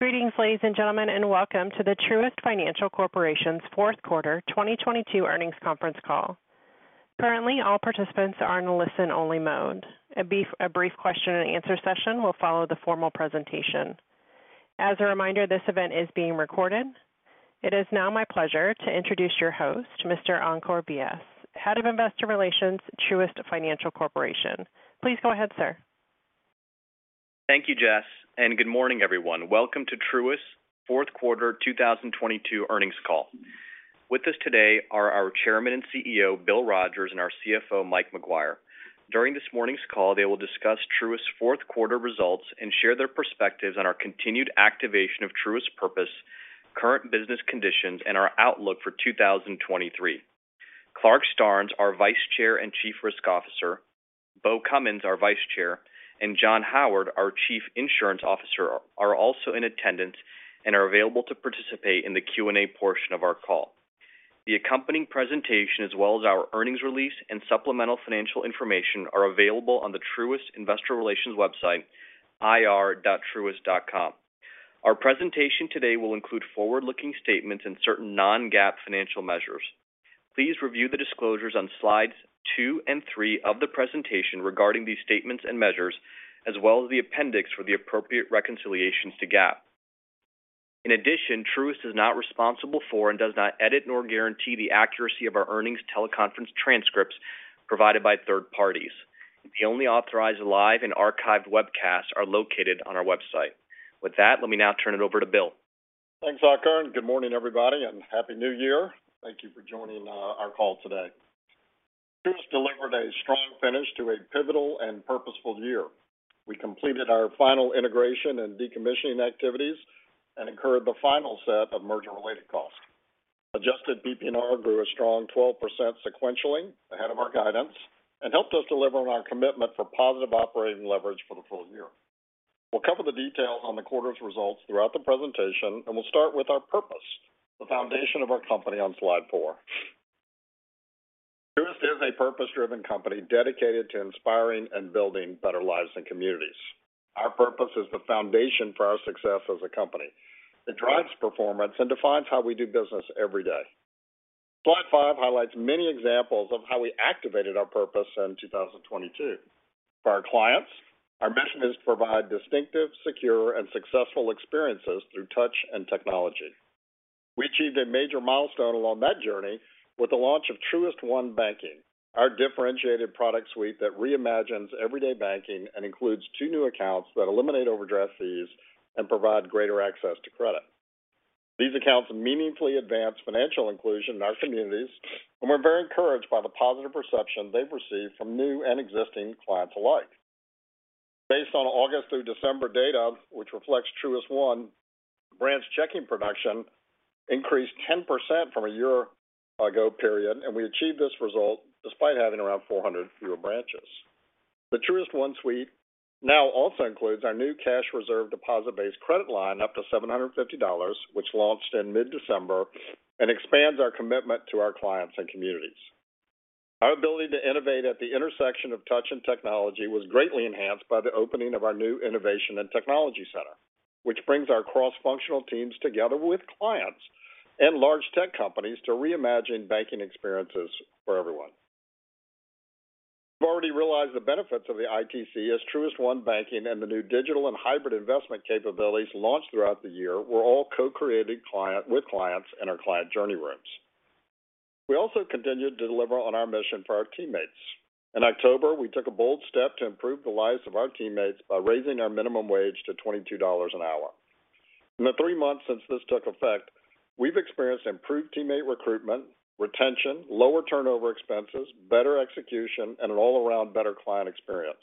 Greetings, ladies and gentlemen. Welcome to the Truist Financial Corporation's Q4 2022 earnings conference call. Currently, all participants are in listen-only mode. A brief question and answer session will follow the formal presentation. As a reminder, this event is being recorded. It is now my pleasure to introduce your host, Mr. Ankur Vyas, Head of Investor Relations, Truist Financial Corporation. Please go ahead, sir. Thank you, Jess, and good morning, everyone. Welcome to Truist's Q4 2022 earnings call. With us today are our Chairman and CEO, Will Rogers, and our CFO, Mike Maguire. During this morning's call, they will discuss Truist's Q4 results and share their perspectives on our continued activation of Truist's purpose, current business conditions, and our outlook for 2023. Clarke Starnes, our Vice Chair and Chief Risk Officer, Beau Cummins, our Vice Chair, and John Howard, our Chief Insurance Officer, are also in attendance and are available to participate in the Q&A portion of our call. The accompanying presentation as well as our earnings release and supplemental financial information are available on the Truist Investor Relations website, ir.Truist.com. Our presentation today will include forward-looking statements and certain non-GAAP financial measures. Please review the disclosures on slides two and three of the presentation regarding these statements and measures, as well as the appendix for the appropriate reconciliations to GAAP. In addition, Truist is not responsible for and does not edit nor guarantee the accuracy of our earnings teleconference transcripts provided by third parties. The only authorized live and archived webcasts are located on our website. With that, let me now turn it over to Will. Thanks, Ankur. Good morning, everybody. Happy New Year. Thank you for joining our call today. Truist delivered a strong finish to a pivotal and purposeful year. We completed our final integration and decommissioning activities and incurred the final set of merger-related costs. Adjusted PPNR grew a strong 12% sequentially, ahead of our guidance, helped us deliver on our commitment for positive operating leverage for the full year. We'll cover the details on the quarter's results throughout the presentation. We'll start with our purpose, the foundation of our company on slide four. Truist is a purpose-driven company dedicated to inspiring and building better lives and communities. Our purpose is the foundation for our success as a company. It drives performance and defines how we do business every day. Slide five highlights many examples of how we activated our purpose in 2022. For our clients, our mission is to provide distinctive, secure, and successful experiences through touch and technology. We achieved a major milestone along that journey with the launch of Truist One banking, our differentiated product suite that reimagines everyday banking and includes two new accounts that eliminate overdraft fees and provide greater access to credit. These accounts meaningfully advance financial inclusion in our communities, and we're very encouraged by the positive perception they've received from new and existing clients alike. Based on August through December data, which reflects Truist One, branch checking production increased 10% from a year ago period, and we achieved this result despite having around 400 fewer branches. The Truist One suite now also includes our new Cash Reserve deposit-based credit line up to $750, which launched in mid-December and expands our commitment to our clients and communities. Our ability to innovate at the intersection of touch and technology was greatly enhanced by the opening of our new Innovation and Technology Center, which brings our cross-functional teams together with clients and large tech companies to reimagine banking experiences for everyone. We've already realized the benefits of the ITC as Truist One Banking and the new digital and hybrid investment capabilities launched throughout the year were all co-created with clients in our client journey rooms. We also continued to deliver on our mission for our teammates. In October, we took a bold step to improve the lives of our teammates by raising our minimum wage to $22 an hour. In the three months since this took effect, we've experienced improved teammate recruitment, retention, lower turnover expenses, better execution, and an all-around better client experience.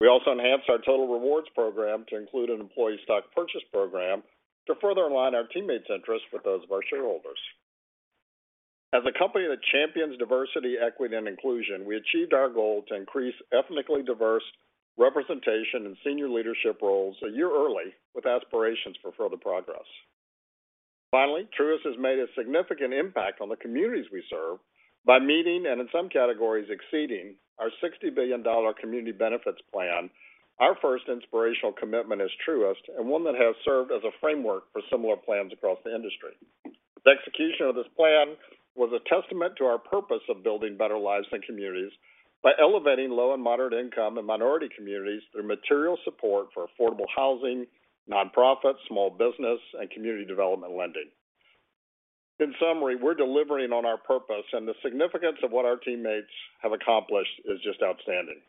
We also enhanced our total rewards program to include an employee stock purchase program to further align our teammates' interests with those of our shareholders. As a company that champions diversity, equity, and inclusion, we achieved our goal to increase ethnically diverse representation in senior leadership roles a year early with aspirations for further progress. Truist has made a significant impact on the communities we serve by meeting and in some categories exceeding our $60 billion community benefits plan, our first inspirational commitment as Truist and one that has served as a framework for similar plans across the industry. The execution of this plan was a testament to our purpose of building better lives and communities by elevating low and moderate income and minority communities through material support for affordable housing, nonprofit, small business, and community development lending. In summary, we're delivering on our purpose and the significance of what our teammates have accomplished is just outstanding.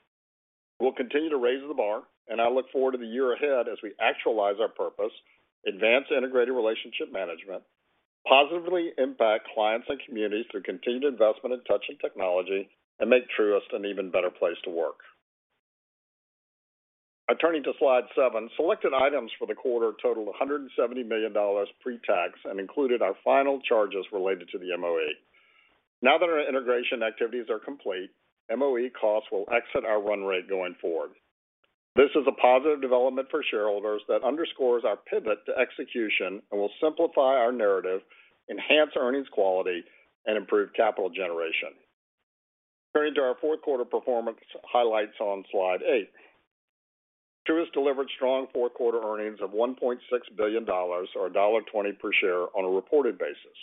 We'll continue to raise the bar, and I look forward to the year ahead as we actualize our purpose, advance integrated relationship management, positively impact clients and communities through continued investment in touch and technology, and make Truist an even better place to work. Turning to slide seven, selected items for the quarter totaled $170 million pre-tax and included our final charges related to the MOE. That our integration activities are complete, MOE costs will exit our run rate going forward. This is a positive development for shareholders that underscores our pivot to execution and will simplify our narrative, enhance earnings quality, and improve capital generation. Turning to our Q4 performance highlights on slide eight. Truist delivered strong Q4 earnings of $1.6 billion or $1.20 per share on a reported basis.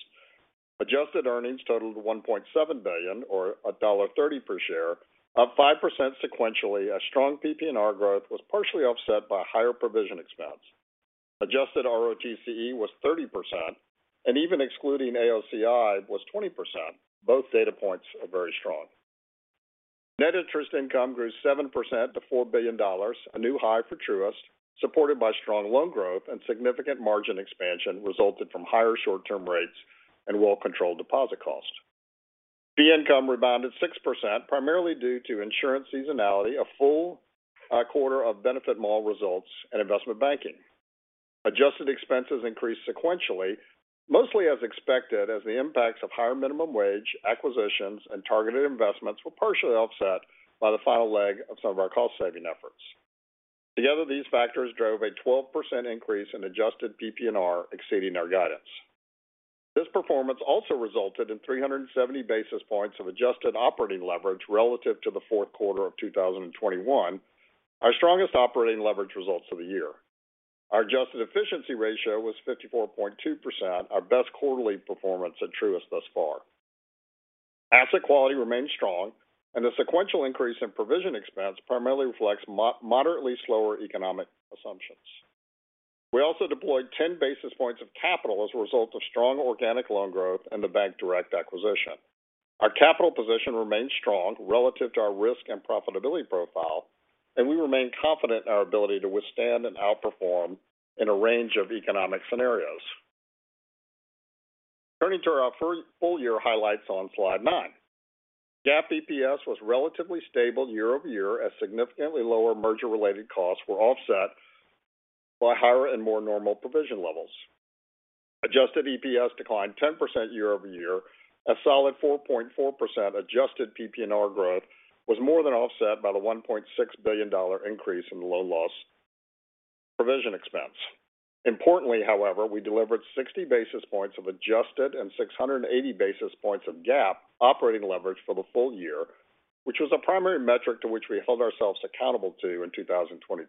Adjusted earnings totaled $1.7 billion or $1.30 per share, up 5% sequentially as strong PPNR growth was partially offset by higher provision expense. Adjusted ROTCE was 30%, and even excluding AOCI was 20%. Both data points are very strong. Net interest income grew 7% to $4 billion, a new high for Truist, supported by strong loan growth and significant margin expansion resulted from higher short-term rates and well-controlled deposit cost. Fee income rebounded 6% primarily due to insurance seasonality, a full quarter of BenefitMall results, and investment banking. Adjusted expenses increased sequentially, mostly as expected as the impacts of higher minimum wage, acquisitions, and targeted investments were partially offset by the final leg of some of our cost-saving efforts. Together, these factors drove a 12% increase in adjusted PPNR exceeding our guidance. This performance also resulted in 370 basis points of adjusted operating leverage relative to the Q4 of 2021, our strongest operating leverage results of the year. Our adjusted efficiency ratio was 54.2%, our best quarterly performance at Truist thus far. Asset quality remains strong, and the sequential increase in provision expense primarily reflects moderately slower economic assumptions. We also deployed 10 basis points of capital as a result of strong organic loan growth and the BankDirect acquisition. Our capital position remains strong relative to our risk and profitability profile. We remain confident in our ability to withstand and outperform in a range of economic scenarios. Turning to our full year highlights on slide nine. GAAP EPS was relatively stable year-over-year as significantly lower merger-related costs were offset by higher and more normal provision levels. Adjusted EPS declined 10% year-over-year. A solid 4.4% adjusted PPNR growth was more than offset by the $1.6 billion increase in loan loss provision expense. Importantly, however, we delivered 60 basis points of adjusted and 680 basis points of GAAP operating leverage for the full year, which was a primary metric to which we held ourselves accountable to in 2022.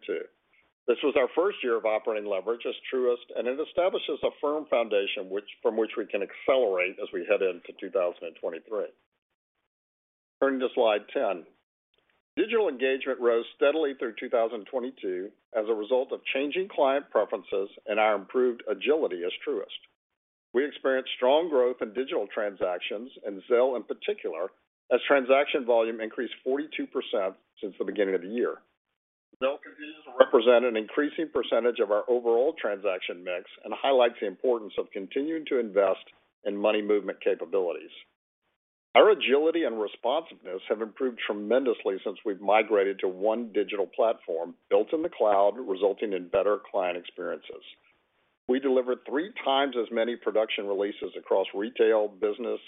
This was our first year of operating leverage as Truist. It establishes a firm foundation from which we can accelerate as we head into 2023. Turning to slide 10. Digital engagement rose steadily through 2022 as a result of changing client preferences and our improved agility as Truist. We experienced strong growth in digital transactions, in Zelle in particular, as transaction volume increased 42% since the beginning of the year. Zelle continues to represent an increasing percentage of our overall transaction mix and highlights the importance of continuing to invest in money movement capabilities. Our agility and responsiveness have improved tremendously since we've migrated to one digital platform built in the cloud, resulting in better client experiences. We delivered 3 times as many production releases across retail, business,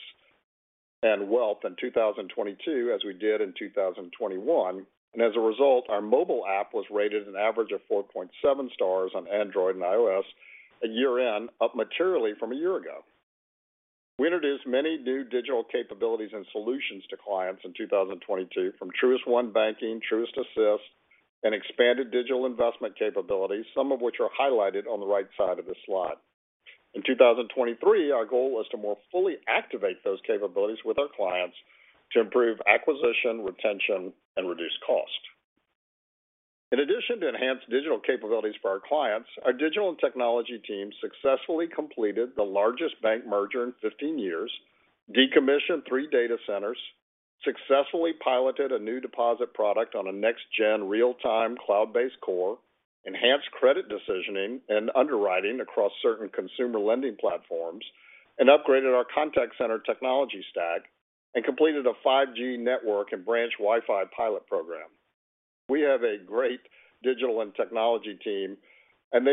and wealth in 2022 as we did in 2021. As a result, our mobile app was rated an average of 4.7 stars on Android and iOS at year-end, up materially from a year ago. We introduced many new digital capabilities and solutions to clients in 2022 from Truist One Banking, Truist Assist, and expanded digital investment capabilities, some of which are highlighted on the right side of this slide. In 2023, our goal is to more fully activate those capabilities with our clients to improve acquisition, retention, and reduce cost. In addition to enhanced digital capabilities for our clients, our digital and technology team successfully completed the largest bank merger in 15 years, decommissioned three data centers, successfully piloted a new deposit product on a next-gen real-time cloud-based core, enhanced credit decisioning and underwriting across certain consumer lending platforms, upgraded our contact center technology stack, and completed a 5G network and branch Wi-Fi pilot program. They've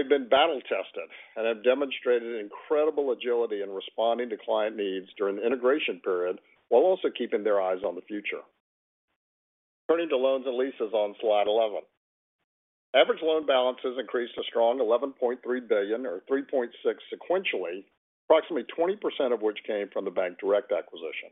been battle-tested and have demonstrated incredible agility in responding to client needs during the integration period while also keeping their eyes on the future. Turning to loans and leases on slide 11. Average loan balances increased a strong $11.3 billion or 3.6% sequentially, approximately 20% of which came from the BankDirect acquisition.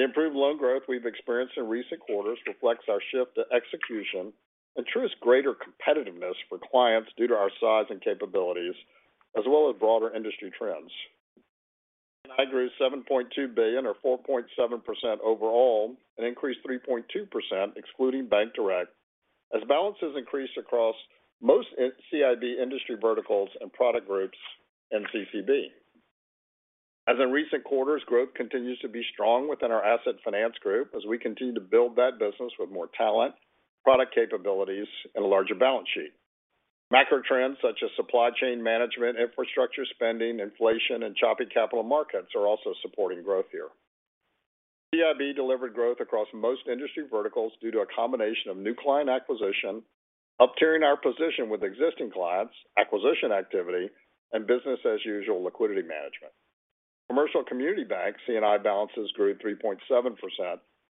The improved loan growth we've experienced in recent quarters reflects our shift to execution and Truist's greater competitiveness for clients due to our size and capabilities as well as broader industry trends. C&I grew $7.2 billion or 4.7% overall, an increase 3.2% excluding BankDirect as balances increased across most CIB industry verticals and product groups in CCB. As in recent quarters, growth continues to be strong within our asset finance group as we continue to build that business with more talent, product capabilities, and a larger balance sheet. Macro trends such as supply chain management, infrastructure spending, inflation, and choppy capital markets are also supporting growth here. CIB delivered growth across most industry verticals due to a combination of new client acquisition, uptiering our position with existing clients, acquisition activity, and business as usual liquidity management. Commercial community bank C&I balances grew 3.7%,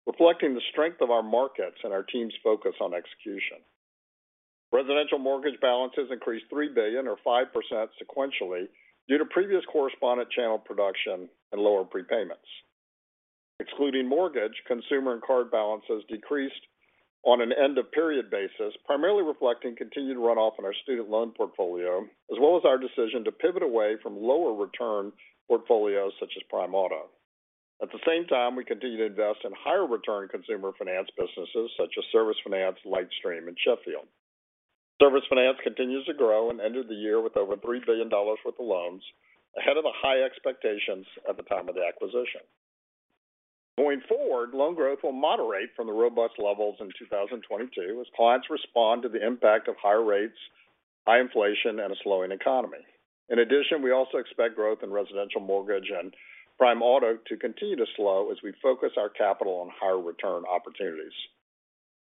reflecting the strength of our markets and our team's focus on execution. Residential mortgage balances increased $3 billion or 5% sequentially due to previous correspondent channel production and lower prepayments. Excluding mortgage, consumer and card balances decreased on an end of period basis, primarily reflecting continued write off in our student loan portfolio, as well as our decision to pivot away from lower return portfolios such as Prime Auto. At the same time, we continue to invest in higher return consumer finance businesses such as Service Finance, LightStream, and Sheffield. Service Finance continues to grow and ended the year with over $3 billion worth of loans ahead of the high expectations at the time of the acquisition. Going forward, loan growth will moderate from the robust levels in 2022 as clients respond to the impact of higher rates, high inflation, and a slowing economy. We also expect growth in residential mortgage and Prime Auto to continue to slow as we focus our capital on higher return opportunities.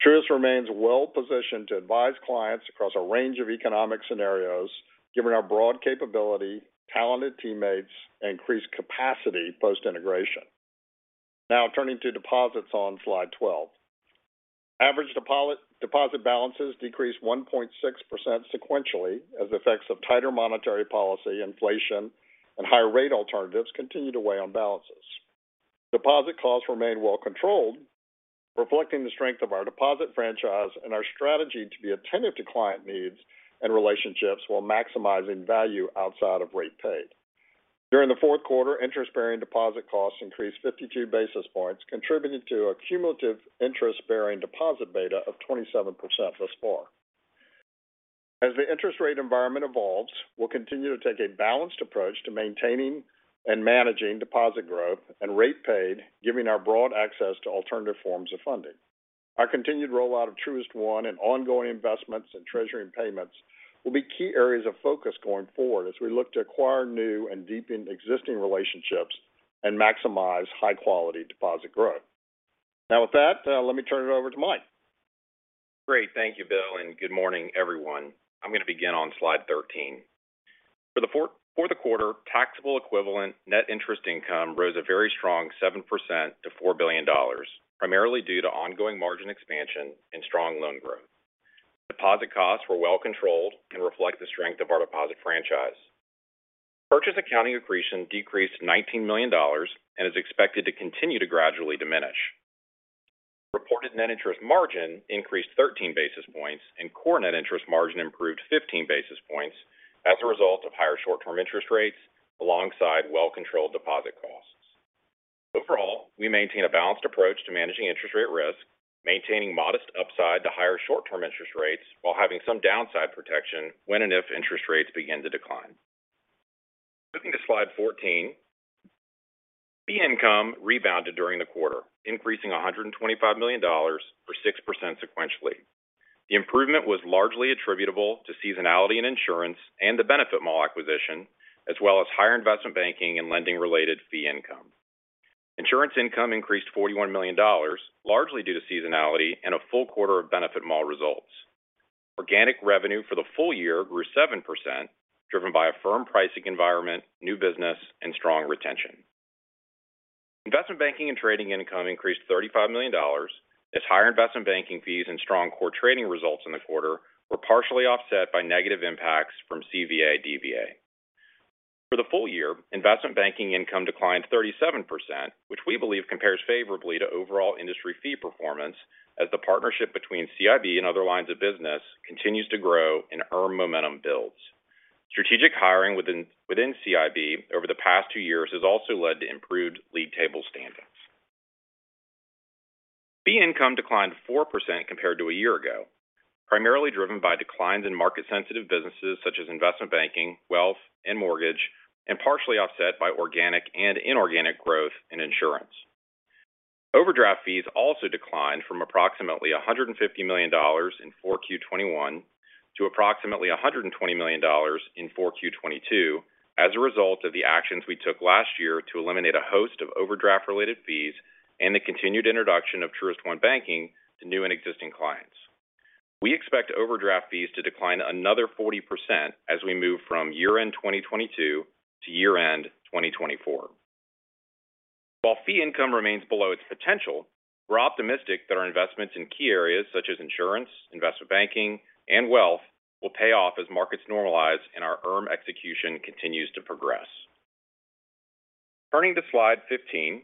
Truist remains well-positioned to advise clients across a range of economic scenarios given our broad capability, talented teammates, and increased capacity post-integration. Turning to deposits on slide 12. Average deposit balances decreased 1.6% sequentially as effects of tighter monetary policy, inflation, and higher rate alternatives continued to weigh on balances. Deposit costs remained well controlled, reflecting the strength of our deposit franchise and our strategy to be attentive to client needs and relationships while maximizing value outside of rate paid. During the Q4, interest-bearing deposit costs increased 52 basis points, contributing to a cumulative interest-bearing deposit beta of 27% thus far. As the interest rate environment evolves, we'll continue to take a balanced approach to maintaining and managing deposit growth and rate paid given our broad access to alternative forms of funding. Our continued rollout of Truist One and ongoing investments in treasury and payments will be key areas of focus going forward as we look to acquire new and deepen existing relationships and maximize high-quality deposit growth. With that, let me turn it over to Mike. Great. Thank you, Will, and good morning, everyone. I'm going to begin on slide 13. For the Q4, taxable equivalent net interest income rose a very strong 7% to $4 billion, primarily due to ongoing margin expansion and strong loan growth. Deposit costs were well controlled and reflect the strength of our deposit franchise. Purchase accounting accretion decreased $19 million and is expected to continue to gradually diminish. Reported net interest margin increased 13 basis points and core net interest margin improved 15 basis points as a result of higher short-term interest rates alongside well-controlled deposit costs. Overall, we maintain a balanced approach to managing interest rate risk, maintaining modest upside to higher short-term interest rates while having some downside protection when and if interest rates begin to decline. Flipping to slide 14. Fee income rebounded during the quarter, increasing $125 million or 6% sequentially. The improvement was largely attributable to seasonality in insurance and the BenefitMall acquisition, as well as higher investment banking and lending-related fee income. Insurance income increased $41 million, largely due to seasonality and a full quarter of BenefitMall results. Organic revenue for the full year grew 7%, driven by a firm pricing environment, new business, and strong retention. Investment banking and trading income increased $35 million as higher investment banking fees and strong core trading results in the quarter were partially offset by negative impacts from CVA, DVA. For the full year, investment banking income declined 37%, which we believe compares favorably to overall industry fee performance as the partnership between CIB and other lines of business continues to grow and ERM momentum builds. Strategic hiring within CIB over the past two years has also led to improved lead table standings. Fee income declined 4% compared to a year ago, primarily driven by declines in market sensitive businesses such as investment banking, wealth, and mortgage, and partially offset by organic and inorganic growth in insurance. Overdraft fees also declined from approximately $150 million in 4Q 2021 to approximately $120 million in 4Q 2022 as a result of the actions we took last year to eliminate a host of overdraft-related fees and the continued introduction of Truist One banking to new and existing clients. We expect overdraft fees to decline another 40% as we move from year-end 2022 to year-end 2024. While fee income remains below its potential, we're optimistic that our investments in key areas such as insurance, investment banking, and wealth will pay off as markets normalize and our ERM execution continues to progress. Turning to slide 15.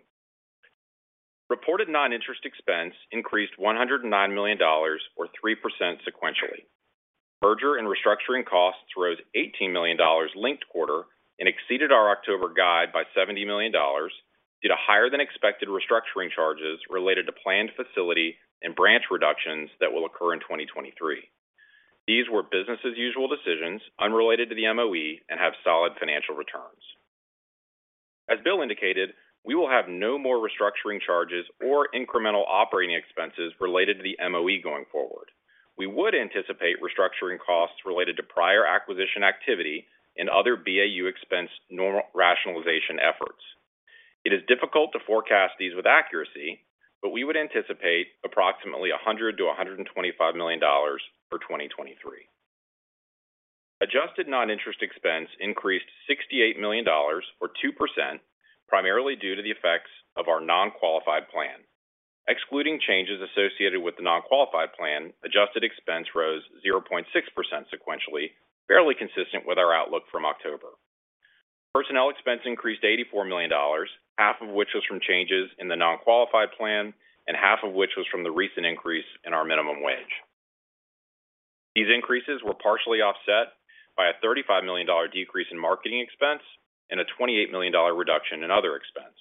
Reported non-interest expense increased $109 million or 3% sequentially. Merger and restructuring costs rose $18 million linked quarter and exceeded our October guide by $70 million due to higher than expected restructuring charges related to planned facility and branch reductions that will occur in 2023. These were business as usual decisions unrelated to the MOE and have solid financial returns. As Will indicated, we will have no more restructuring charges or incremental operating expenses related to the MOE going forward. We would anticipate restructuring costs related to prior acquisition activity and other BAU expense norm rationalization efforts. It is difficult to forecast these with accuracy, we would anticipate approximately $100-125 million for 2023. Adjusted non-interest expense increased $68 million or 2%, primarily due to the effects of our non-qualified plan. Excluding changes associated with the non-qualified plan, adjusted expense rose 0.6% sequentially, fairly consistent with our outlook from October. Personnel expense increased $84 million, half of which was from changes in the non-qualified plan and half of which was from the recent increase in our minimum wage. These increases were partially offset by a $35 million decrease in marketing expense and a $28 million reduction in other expense.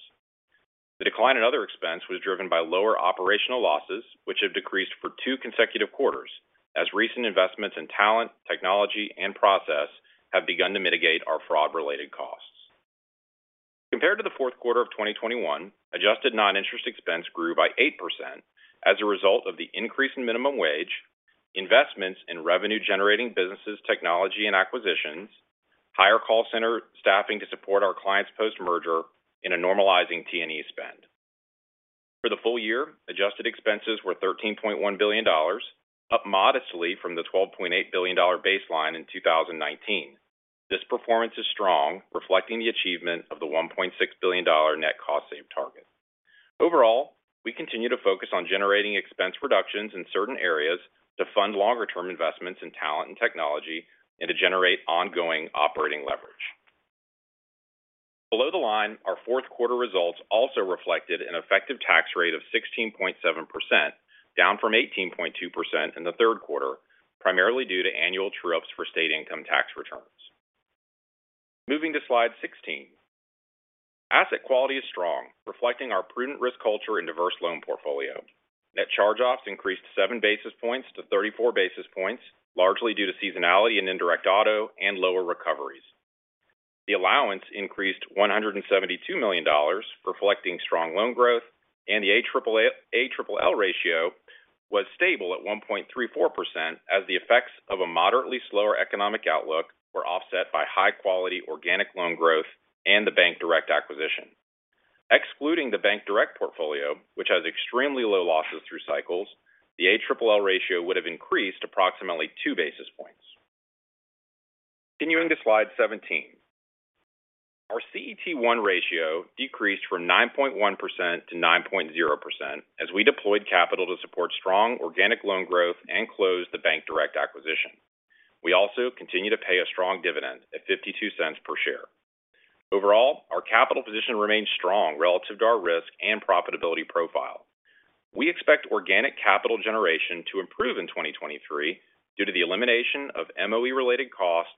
The decline in other expense was driven by lower operational losses, which have decreased for two consecutive quarters as recent investments in talent, technology, and process have begun to mitigate our fraud-related costs. Compared to the Q4 of 2021, adjusted non-interest expense grew by 8% as a result of the increase in minimum wage, investments in revenue generating businesses, technology and acquisitions, higher call center staffing to support our clients post-merger in a normalizing T&E spend. For the full year, adjusted expenses were $13.1 billion, up modestly from the $12.8 billion baseline in 2019. This performance is strong, reflecting the achievement of the $1.6 billion net cost save target. Overall, we continue to focus on generating expense reductions in certain areas to fund longer term investments in talent and technology and to generate ongoing operating leverage. Below the line, our Q4 results also reflected an effective tax rate of 16.7%, down from 18.2% in the Q3, primarily due to annual true ups for state income tax returns. Moving to slide 16. Asset quality is strong, reflecting our prudent risk culture and diverse loan portfolio. Net charge-offs increased 7 basis points to 34 basis points, largely due to seasonality and indirect auto and lower recoveries. The allowance increased $172 million, reflecting strong loan growth and the ALL ratio was stable at 1.34% as the effects of a moderately slower economic outlook were offset by high quality organic loan growth and the BankDirect acquisition. Excluding the BankDirect portfolio, which has extremely low losses through cycles, the ALL ratio would have increased approximately 2 basis points. Continuing to slide 17. Our CET1 ratio decreased from 9.1% to 9.0% as we deployed capital to support strong organic loan growth and closed the BankDirect acquisition. We also continue to pay a strong dividend at $0.52 per share. Overall, our capital position remains strong relative to our risk and profitability profile. We expect organic capital generation to improve in 2023 due to the elimination of MOE related costs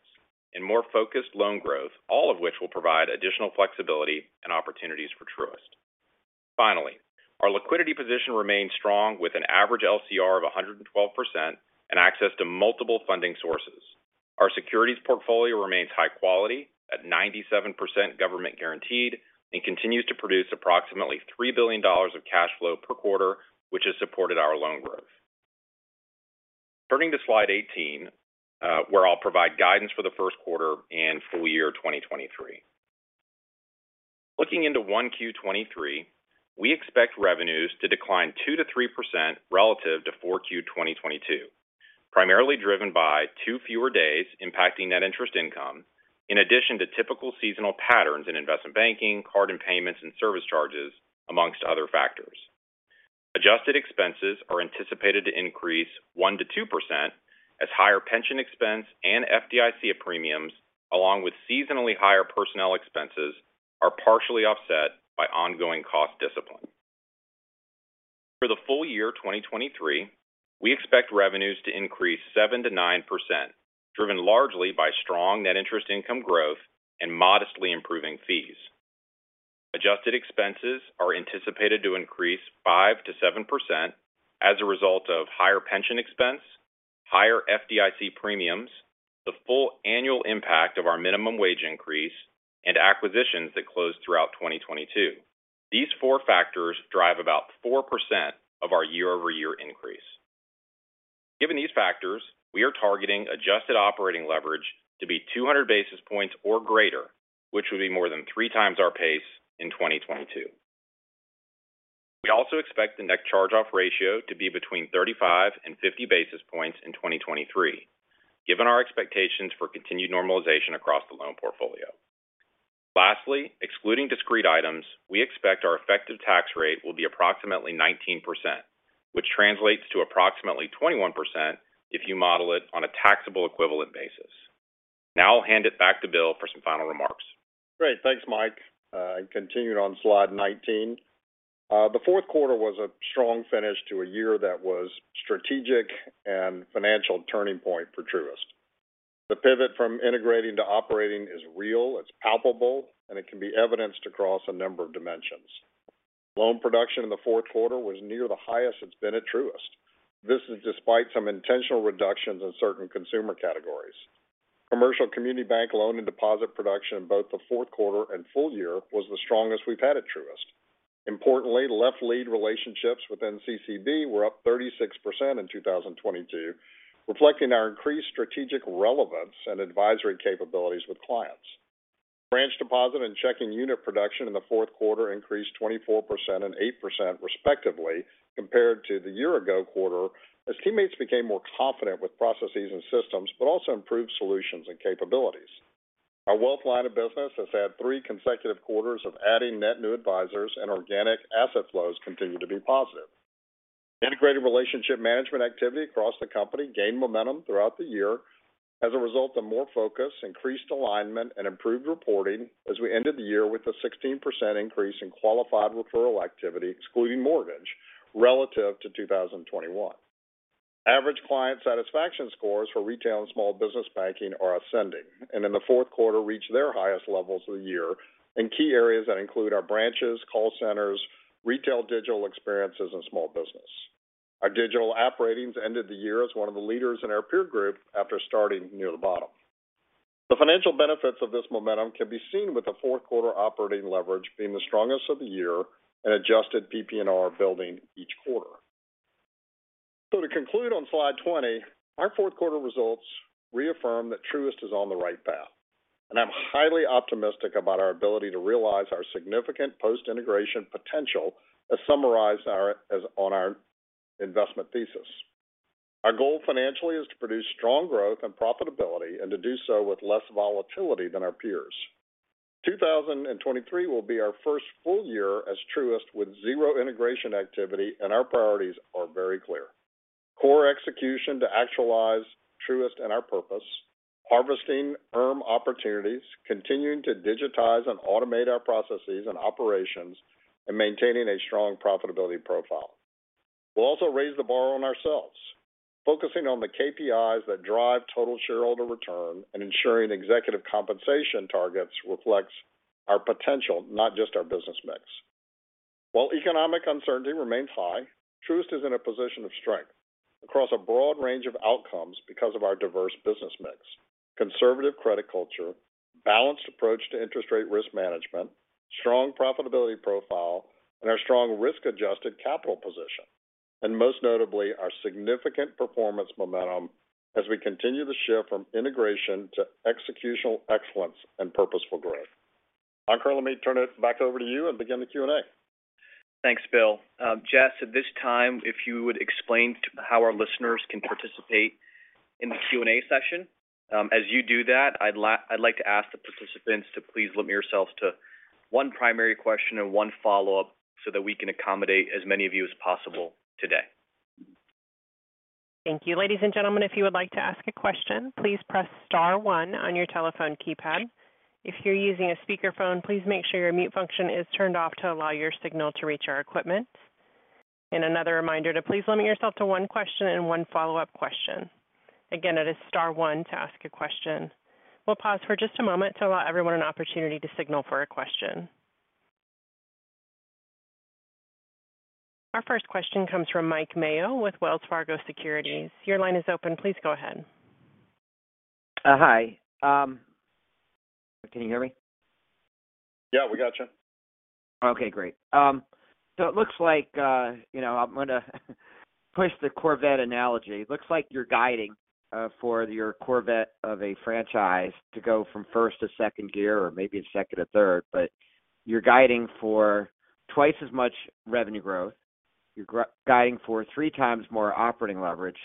and more focused loan growth, all of which will provide additional flexibility and opportunities for Truist. Our liquidity position remains strong with an average LCR of 112% and access to multiple funding sources. Our securities portfolio remains high quality at 97% government guaranteed and continues to produce approximately $3 billion of cash flow per quarter, which has supported our loan growth. Turning to slide 18, where I'll provide guidance for the Q1 and full year 2023. Looking into 1Q 2023, we expect revenues to decline 2%-3% relative to 4Q 2022, primarily driven by two fewer days impacting net interest income in addition to typical seasonal patterns in investment banking, card and payments, and service charges, amongst other factors. Adjusted expenses are anticipated to increase 1%-2% as higher pension expense and FDIC premiums, along with seasonally higher personnel expenses are partially offset by ongoing cost discipline. For the full year 2023, we expect revenues to increase 7%-9%, driven largely by strong net interest income growth and modestly improving fees. Adjusted expenses are anticipated to increase 5%-7% as a result of higher pension expense, higher FDIC premiums, the full annual impact of our minimum wage increase, and acquisitions that closed throughout 2022. These four factors drive about 4% of our year-over-year increase. Given these factors, we are targeting adjusted operating leverage to be 200 basis points or greater, which would be more than 3 times our pace in 2022. We also expect the net charge-off ratio to be between 35 and 50 basis points in 2023, given our expectations for continued normalization across the loan portfolio. Lastly, excluding discrete items, we expect our effective tax rate will be approximately 19%, which translates to approximately 21% if you model it on a taxable equivalent basis. Now I'll hand it back to Will for some final remarks. Great. Thanks, Mike. Continuing on slide 19. The Q4 was a strong finish to a year that was strategic and financial turning point for Truist. The pivot from integrating to operating is real, it's palpable, and it can be evidenced across a number of dimensions. Loan production in the Q4 was near the highest it's been at Truist. This is despite some intentional reductions in certain consumer categories. Commercial Community Bank loan and deposit production in both the Q4 and full year was the strongest we've had at Truist. Importantly, left lead relationships within CCB were up 36% in 2022, reflecting our increased strategic relevance and advisory capabilities with clients. Branch deposit and checking unit production in the Q4 increased 24% and 8% respectively compared to the year ago quarter as teammates became more confident with processes and systems, but also improved solutions and capabilities. Our wealth line of business has had three consecutive quarters of adding net new advisors and organic asset flows continue to be positive. Integrated relationship management activity across the company gained momentum throughout the year as a result of more focus, increased alignment and improved reporting as we ended the year with a 16% increase in qualified referral activity, excluding mortgage, relative to 2021. Average client satisfaction scores for retail and small business banking are ascending. In the Q4 reached their highest levels of the year in key areas that include our branches, call centers, retail digital experiences, and small business. Our digital app ratings ended the year as one of the leaders in our peer group after starting near the bottom. The financial benefits of this momentum can be seen with the Q4 operating leverage being the strongest of the year and adjusted PPNR building each quarter. To conclude on slide 20, our Q4 results reaffirm that Truist is on the right path, and I'm highly optimistic about our ability to realize our significant post-integration potential as summarized on our investment thesis. Our goal financially is to produce strong growth and profitability and to do so with less volatility than our peers. 2023 will be our first full year as Truist with zero integration activity and our priorities are very clear. Core execution to actualize Truist and our purpose, harvesting ERM opportunities, continuing to digitize and automate our processes and operations, and maintaining a strong profitability profile. We'll also raise the bar on ourselves, focusing on the KPIs that drive total shareholder return and ensuring executive compensation targets reflects our potential, not just our business mix. While economic uncertainty remains high, Truist is in a position of strength across a broad range of outcomes because of our diverse business mix, conservative credit culture, balanced approach to interest rate risk management, strong profitability profile, and our strong risk-adjusted capital position. Most notably, our significant performance momentum as we continue to shift from integration to executional excellence and purposeful growth. Ankur, let me turn it back over to you and begin the Q&A. Thanks, Will. Jess, at this time, if you would explain how our listeners can participate in the Q&A session. As you do that, I'd like to ask the participants to please limit yourselves to one primary question and one follow-up so that we can accommodate as many of you as possible today. Thank you. Ladies and gentlemen, if you would like to ask a question, please press star one on your telephone keypad. If you're using a speakerphone, please make sure your mute function is turned off to allow your signal to reach our equipment. Another reminder to please limit yourself to one question and one follow-up question. Again, it is star one to ask a question. We'll pause for just a moment to allow everyone an opportunity to signal for a question. Our first question comes from Mike Mayo with Wells Fargo Securities. Your line is open. Please go ahead. Hi. Can you hear me? Yeah, we got you. Okay, great. It looks like, you know, I'm gonna push the Corvette analogy. It looks like you're guiding for your Corvette of a franchise to go from first to second gear or maybe second to third, but you're guiding for twice as much revenue growth. You're guiding for three times more operating leverage.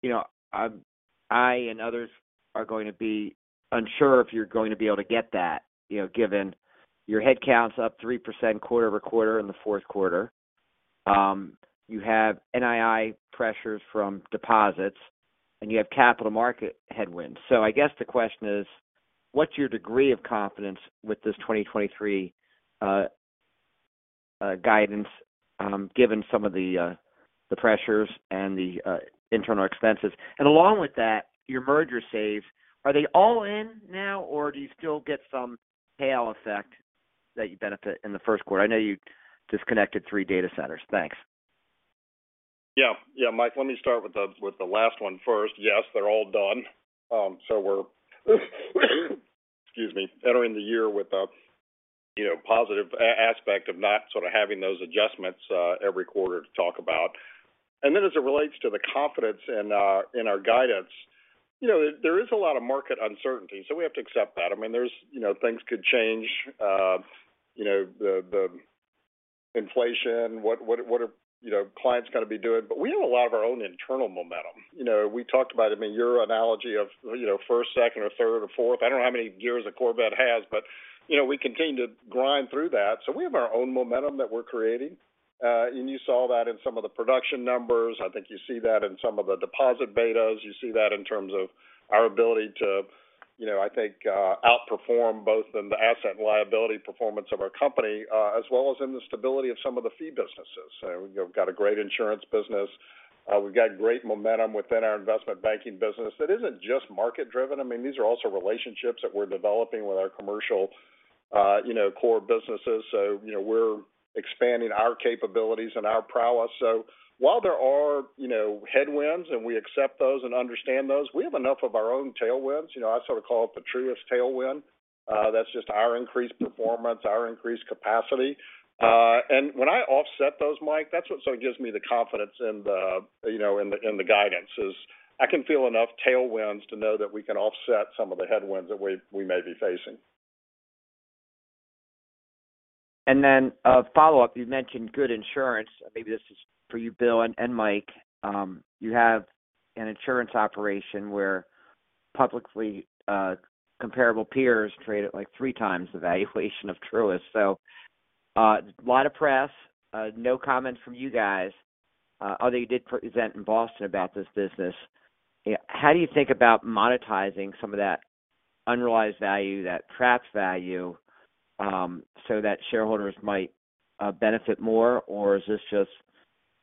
You know, I and others are going to be unsure if you're going to be able to get that, you know, given your headcounts up 3% quarter-over-quarter in the Q4. You have NII pressures from deposits, and you have capital market headwinds. I guess the question is, what's your degree of confidence with this 2023 guidance, given some of the pressures and the internal expenses? Along with that, your merger saves, are they all in now, or do you still get some tail effect that you benefit in the Q1? I know you disconnected three data centers. Thanks. Yeah. Yeah, Mike, let me start with the, with the last one first. Yes, they're all done. We're, excuse me, entering the year with a, you know, positive aspect of not sort of having those adjustments, every quarter to talk about. As it relates to the confidence in our guidance, you know, there is a lot of market uncertainty, so we have to accept that. I mean, there's, you know, things could change, you know, the inflation, what are, you know, clients gonna be doing? We have a lot of our own internal momentum. You know, we talked about, I mean, your analogy of, you know, first, second or third or fourth. I don't know how many gears a Corvette has, but, you know, we continue to grind through that. We have our own momentum that we're creating. You saw that in some of the production numbers. I think you see that in some of the deposit betas. You see that in terms of our ability to, you know, I think, outperform both in the asset and liability performance of our company, as well as in the stability of some of the fee businesses. We've got a great insurance business. We've got great momentum within our investment banking business. It isn't just market-driven. I mean, these are also relationships that we're developing with our commercial, you know, core businesses. You know, we're expanding our capabilities and our prowess. While there are, you know, headwinds and we accept those and understand those, we have enough of our own tailwinds. You know, I sort of call it the Truist tailwind. That's just our increased performance, our increased capacity. When I offset those, Mike, that's what sort of gives me the confidence in the, you know, in the guidance, is I can feel enough tailwinds to know that we can offset some of the headwinds that we may be facing. Then a follow-up. You mentioned good insurance. Maybe this is for you, Will and Mike. You have an insurance operation where publicly, comparable peers trade at like three times the valuation of Truist. A lot of press, no comment from you guys. Although you did present in Boston about this business. How do you think about monetizing some of that unrealized value, that trapped value, so that shareholders might benefit more? Or is this just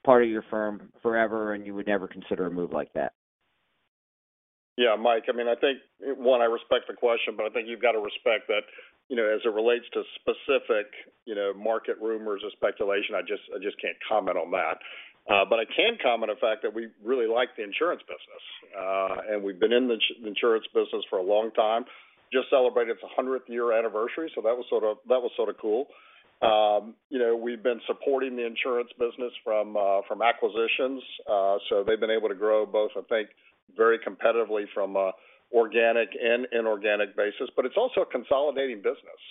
part of your firm forever and you would never consider a move like that? Yeah, Mike, I mean, I think, one, I respect the question, but I think you've got to respect that, you know, as it relates to specific, you know, market rumors or speculation, I just can't comment on that. I can comment on the fact that we really like the insurance business. We've been in the insurance business for a long time. Just celebrated its 100-year anniversary, so that was sort of cool. You know, we've been supporting the insurance business from acquisitions. They've been able to grow both, I think, very competitively from organic and inorganic basis. It's also a consolidating business.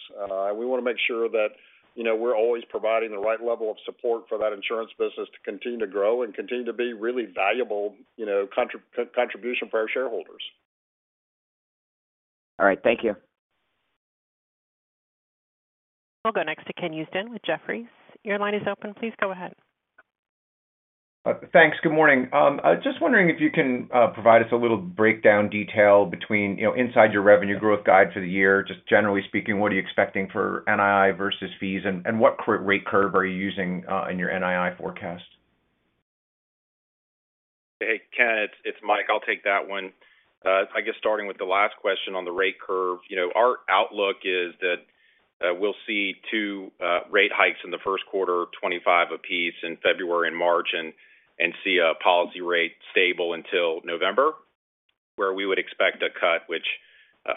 We want to make sure that, you know, we're always providing the right level of support for that insurance business to continue to grow and continue to be really valuable, you know, contribution for our shareholders. All right. Thank you. We'll go next to Ken Usdin with Jefferies. Your line is open. Please go ahead. Thanks. Good morning. Just wondering if you can provide us a little breakdown detail between, you know, inside your revenue growth guide for the year? Just generally speaking, what are you expecting for NII versus fees, and what current rate curve are you using in your NII forecast? Hey, Ken, it's Mike. I'll take that one. I guess starting with the last question on the rate curve. You know, our outlook is that we'll see two rate hikes in the Q1, 25 apiece in February and March, see a policy rate stable until November, where we would expect a cut, which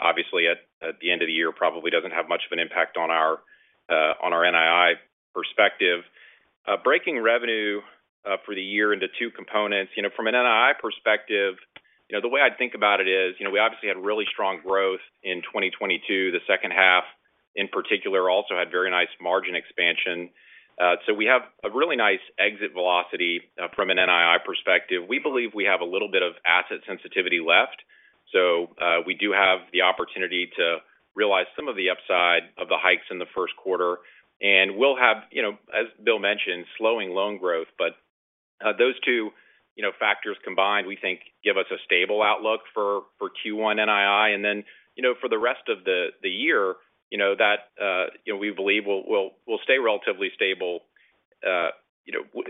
obviously at the end of the year, probably doesn't have much of an impact on our NII perspective. Breaking revenue for the year into two components. You know, from an NII perspective, you know, the way I think about it is, you know, we obviously had really strong growth in 2022, the H2 in particular also had very nice margin expansion. We have a really nice exit velocity from an NII perspective. We believe we have a little bit of asset sensitivity left. We do have the opportunity to realize some of the upside of the hikes in the Q1. We'll have, you know, as Will mentioned, slowing loan growth. Those two, you know, factors combined, we think give us a stable outlook for Q1 NII. You know, for the rest of the year, you know, that, you know, we believe will stay relatively stable. You know,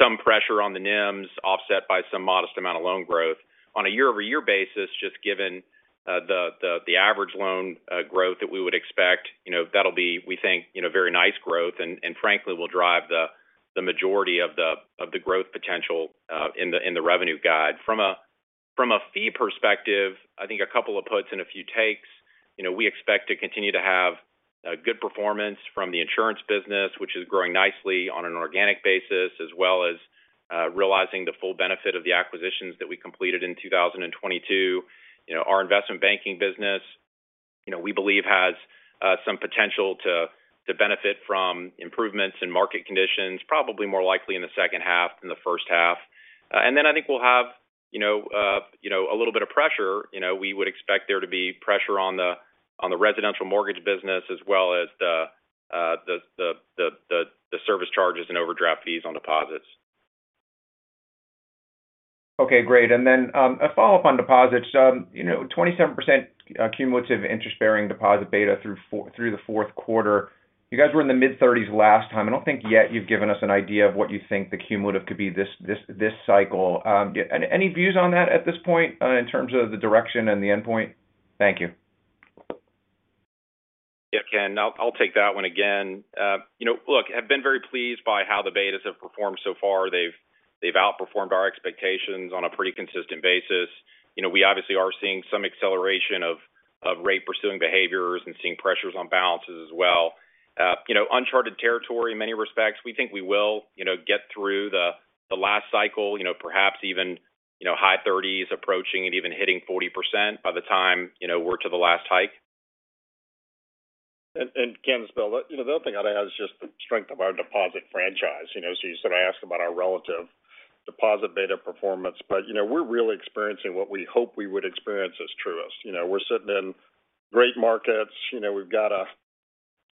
some pressure on the NIMs offset by some modest amount of loan growth. On a year-over-year basis, just given the average loan growth that we would expect, you know, that'll be, we think, you know, very nice growth and frankly, will drive the majority of the growth potential in the revenue guide. From a fee perspective, I think a couple of puts and a few takes. You know, we expect to continue to have good performance from the insurance business, which is growing nicely on an organic basis, as well as realizing the full benefit of the acquisitions that we completed in 2022. You know, our investment banking business, you know, we believe has some potential to benefit from improvements in market conditions, probably more likely in the H2 than the H1. Then I think we'll have, you know, a little bit of pressure. You know, we would expect there to be pressure on the residential mortgage business as well as the service charges and overdraft fees on deposits. Okay, great. Then, a follow-up on deposits. You know, 27% cumulative interest-bearing deposit beta through the Q4. You guys were in the mid-30s last time. I don't think yet you've given us an idea of what you think the cumulative could be this cycle. Any views on that at this point, in terms of the direction and the endpoint? Thank you. Yeah, Ken. I'll take that one again. You know, look, I've been very pleased by how the betas have performed so far. They've outperformed our expectations on a pretty consistent basis. You know, we obviously are seeing some acceleration of rate pursuing behaviors and seeing pressures on balances as well. You know, uncharted territory in many respects. We think we will, you know, get through the last cycle, you know, perhaps even, you know, high 30s approaching and even hitting 40% by the time, you know, we're to the last hike. Ken, it's Will. You know, the other thing I'd add is just the strength of our deposit franchise. You know, you sort of asked about our relative deposit beta performance. You know, we're really experiencing what we hope we would experience as Truist. You know, we're sitting in great markets. You know, we've got a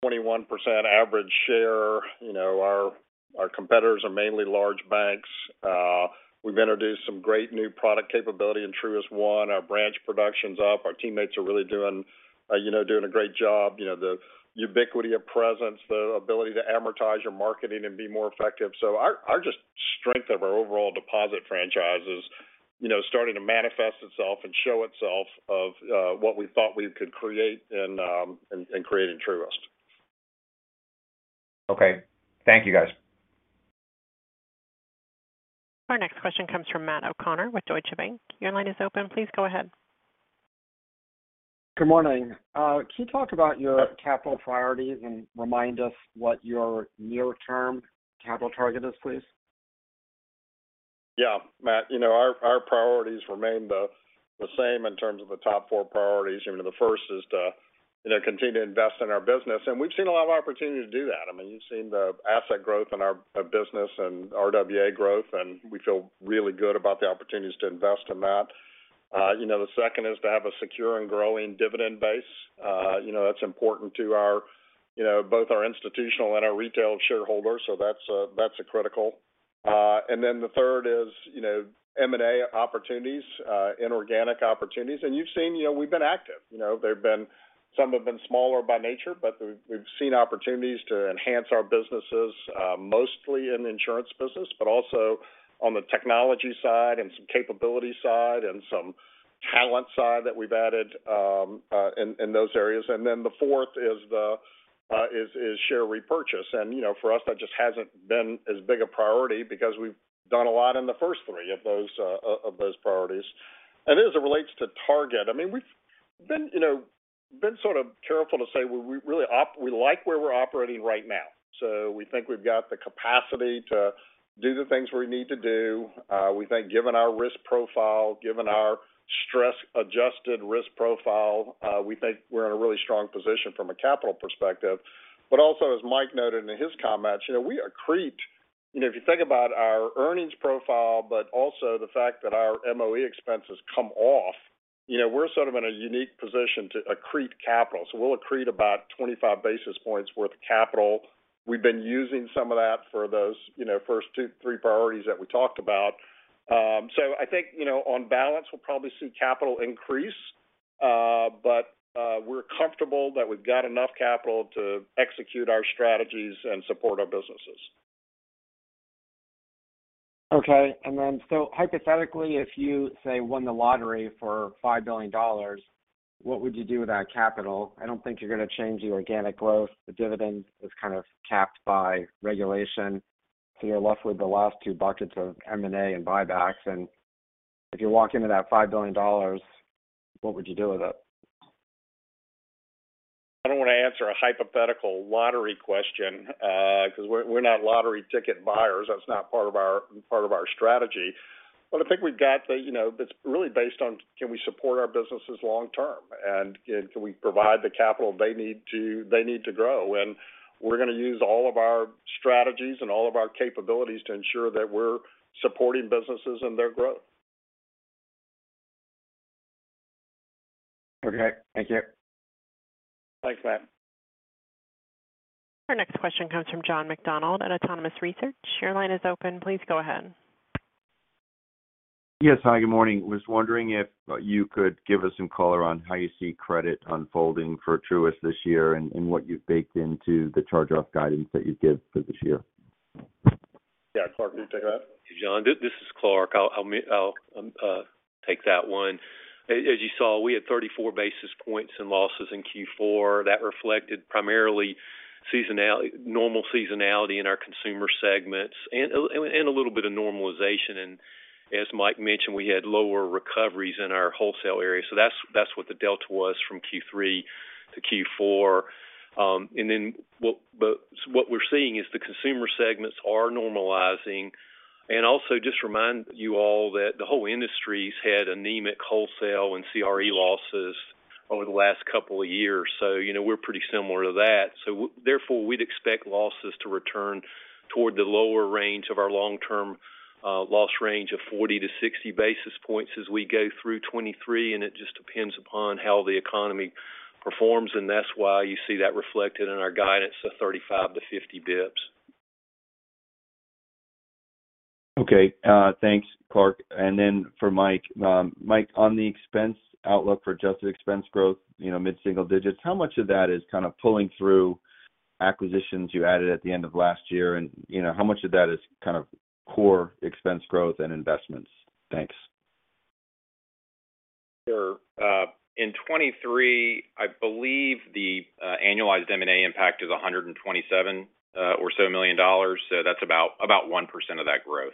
21% average share. You know, our competitors are mainly large banks. We've introduced some great new product capability in Truist One. Our branch production's up. Our teammates are really doing, you know, doing a great job. You know, the ubiquity of presence, the ability to amortize your marketing and be more effective. Our just strength of our overall deposit franchise is, you know, starting to manifest itself and show itself of what we thought we could create and create in Truist. Okay. Thank you, guys. Our next question comes from Matt O'Connor with Deutsche Bank. Your line is open. Please go ahead. Good morning. Can you talk about your capital priorities and remind us what your near-term capital target is, please? Yeah, Matt, you know, our priorities remain the same in terms of the top four priorities. You know, the first is to, you know, continue to invest in our business. We've seen a lot of opportunity to do that. I mean, you've seen the asset growth in our business and RWA growth, and we feel really good about the opportunities to invest in that. You know, the second is to have a secure and growing dividend base. You know, that's important to our, you know, both our institutional and our retail shareholders. That's a critical. The third is, you know, M&A opportunities, inorganic opportunities. You've seen, you know, we've been active. You know, they've been some have been smaller by nature, but we've seen opportunities to enhance our businesses, mostly in the insurance business, but also on the technology side and some capability side and some talent side that we've added in those areas. The fourth is the share repurchase. You know, for us, that just hasn't been as big a priority because we've done a lot in the first three of those priorities. As it relates to target, I mean, we've been, you know, been sort of careful to say we like where we're operating right now. We think we've got the capacity to do the things we need to do. We think given our risk profile, given our stress-adjusted risk profile, we think we're in a really strong position from a capital perspective. Also, as Mike noted in his comments, you know, we accrete. You know, if you think about our earnings profile, but also the fact that our MOE expenses come off, you know, we're sort of in a unique position to accrete capital. We'll accrete about 25 basis points worth of capital. We've been using some of that for those, you know, first two, three priorities that we talked about. So I think, you know, on balance, we'll probably see capital increase, but we're comfortable that we've got enough capital to execute our strategies and support our businesses. Okay. Hypothetically, if you say won the lottery for $5 billion, what would you do with that capital? I don't think you're going to change the organic growth. The dividend is kind of capped by regulation, so you're left with the last two buckets of M&A and buybacks. If you walk into that $5 billion, what would you do with it? I don't want to answer a hypothetical lottery question, 'cause we're not lottery ticket buyers. That's not part of our strategy. I think we've got the, you know, it's really based on can we support our businesses long term, and can we provide the capital they need to grow? We're going to use all of our strategies and all of our capabilities to ensure that we're supporting businesses and their growth. Okay. Thank you. Thanks, Matt. Our next question comes from John McDonald at Autonomous Research. Your line is open. Please go ahead. Yes. Hi, good morning. Was wondering if you could give us some color on how you see credit unfolding for Truist this year and what you've baked into the charge-off guidance that you give for this year? Clarke, do you want to take that? John, this is Clarke. I'll take that one. As you saw, we had 34 basis points in losses in Q4. That reflected primarily seasonality, normal seasonality in our consumer segments and a little bit of normalization. As Mike mentioned, we had lower recoveries in our wholesale area. That's what the delta was from Q3 to Q4. What we're seeing is the consumer segments are normalizing. Also just remind you all that the whole industry's had anemic wholesale and CRE losses over the last couple of years. You know, we're pretty similar to that. Therefore, we'd expect losses to return toward the lower range of our long-term loss range of 40-60 basis points as we go through 2023. It just depends upon how the economy performs, and that's why you see that reflected in our guidance of 35-50 basis points. Okay, thanks, Clark. And then for Mike. Mike, on the expense outlook for adjusted expense growth, you know, mid-single digits, how much of that is kind of pulling through acquisitions you added at the end of last year? You know, how much of that is kind of core expense growth and investments? Thanks. Sure. In 2023, I believe the annualized M&A impact is $127 million or so. That's about 1% of that growth.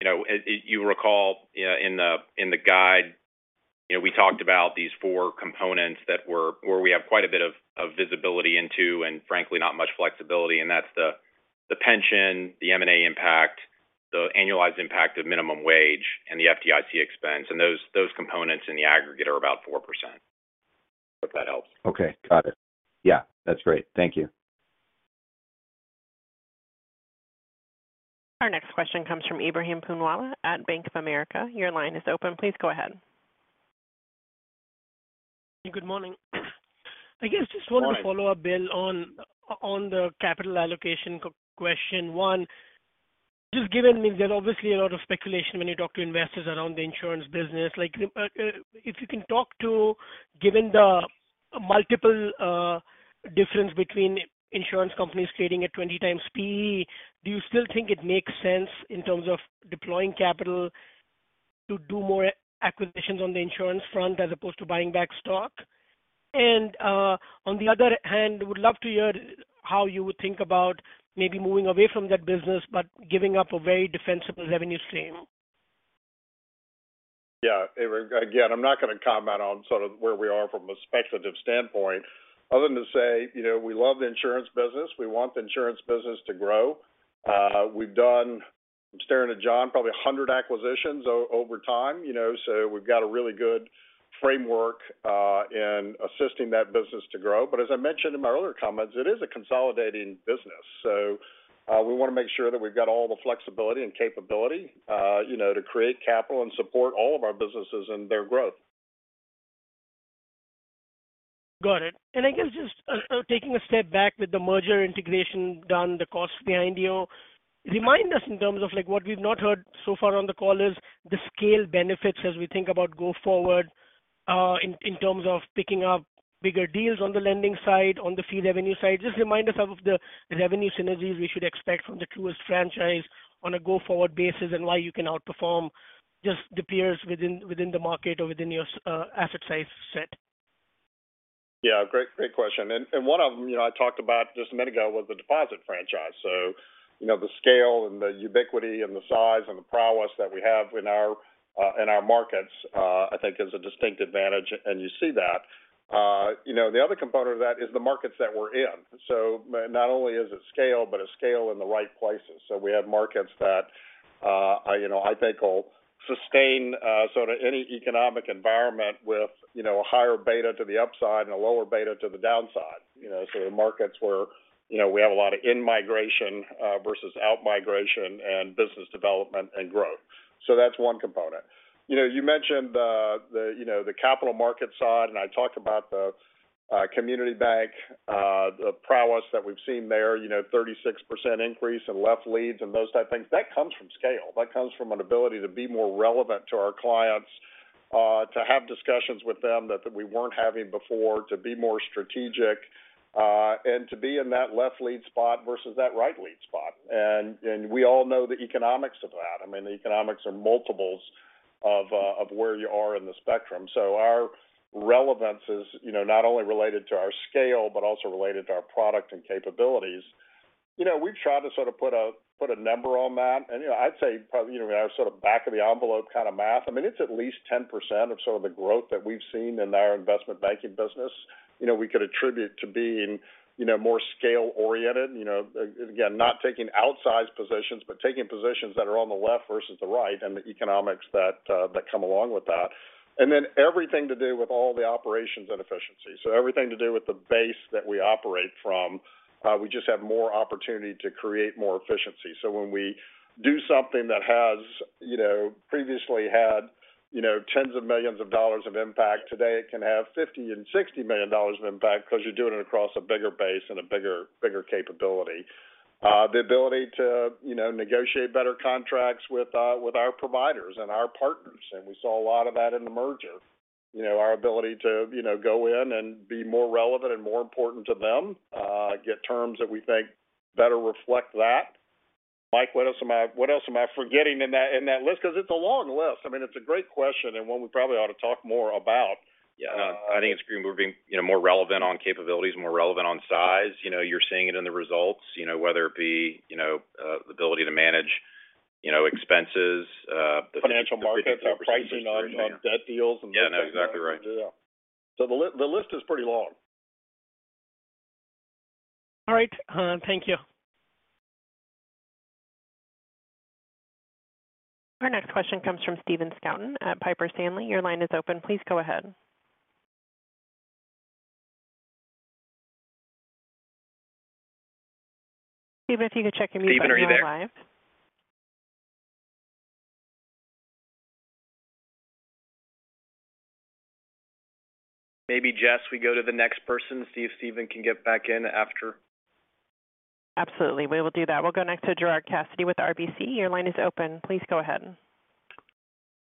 You know, as you recall in the guide, you know, we talked about these four components where we have quite a bit of visibility into and frankly, not much flexibility. That's the pension, the M&A impact, the annualized impact of minimum wage and the FDIC expense. Those components in the aggregate are about 4%, if that helps. Okay, got it. Yeah, that's great. Thank you. Our next question comes from Ebrahim Poonawala at Bank of America. Your line is open. Please go ahead. Good morning. I guess. Good morning. wanted to follow up, Will, on the capital allocation question. One, just given means there's obviously a lot of speculation when you talk to investors around the insurance business. Like, if you can talk to, given the multiple difference between insurance companies trading at 20x PE, do you still think it makes sense in terms of deploying capital to do more acquisitions on the insurance front as opposed to buying back stock? On the other hand, would love to hear how you would think about maybe moving away from that business, but giving up a very defensible revenue stream. I'm not going to comment on sort of where we are from a speculative standpoint other than to say, you know, we love the insurance business. We want the insurance business to grow. We've done, I'm staring at John, probably 100 acquisitions over time, you know, so we've got a really good framework in assisting that business to grow. As I mentioned in my earlier comments, it is a consolidating business, so we want to make sure that we've got all the flexibility and capability, you know, to create capital and support all of our businesses and their growth. Got it. I guess just taking a step back with the merger integration done, the costs behind you, remind us in terms of like what we've not heard so far on the call is the scale benefits as we think about go forward, in terms of picking up bigger deals on the lending side, on the fee revenue side. Just remind us of the revenue synergies we should expect from the Truist franchise on a go-forward basis and why you can outperform just the peers within the market or within your asset size set. Yeah. Great, great question. One of them, you know, I talked about just a minute ago was the deposit franchise. You know, the scale and the ubiquity and the size and the prowess that we have in our markets, I think is a distinct advantage. You see that. You know, the other component of that is the markets that we're in. Not only is it scale, but a scale in the right places. We have markets that, I, you know, I think will sustain sort of any economic environment with, you know, a higher beta to the upside and a lower beta to the downside. You know, the markets where, you know, we have a lot of in-migration versus out-migration and business development and growth. That's one component. You know, you mentioned the, you know, the capital market side, and I talked about the community bank, the prowess that we've seen there. You know, 36% increase in left leads and those type of things. That comes from scale. That comes from an ability to be more relevant to our clients, to have discussions with them that we weren't having before, to be more strategic, and to be in that left lead spot versus that right lead spot. We all know the economics of that. I mean, the economics are multiples of where you are in the spectrum. Our relevance is, you know, not only related to our scale, but also related to our product and capabilities. You know, we've tried to sort of put a number on that. You know, I'd say probably, you know, sort of back of the envelope kind of math. I mean, it's at least 10% of sort of the growth that we've seen in our investment banking business. You know, we could attribute to being, you know, more scale-oriented. You know, again, not taking outsized positions, but taking positions that are on the left versus the right and the economics that come along with that. Then everything to do with all the operations and efficiency. Everything to do with the base that we operate from, we just have more opportunity to create more efficiency. When we do something that has, you know, previously had, you know, tens of millions of dollars of impact. Today it can have $50 million and $60 million of impact because you're doing it across a bigger base and a bigger capability. The ability to, you know, negotiate better contracts with our providers and our partners. We saw a lot of that in the merger. You know, our ability to, you know, go in and be more relevant and more important to them, get terms that we think better reflect that. Mike, what else am I, what else am I forgetting in that, in that list? Because it's a long list. I mean, it's a great question and one we probably ought to talk more about. Yeah. I think it's moving, you know, more relevant on capabilities, more relevant on size. You know, you're seeing it in the results, you know, whether it be, you know, the ability to manage, you know, expenses. Financial markets are pricing on debt deals. Yeah. No, exactly right. Yeah. The list is pretty long. All right. Thank you. Our next question comes from Stephen Scouten at Piper Sandler. Your line is open. Please go ahead. Stephen, if you could check your mute. You are live. Maybe, Jess, we go to the next person, see if Stephen can get back in after. Absolutely. We will do that. We'll go next to Gerard Cassidy with RBC. Your line is open. Please go ahead.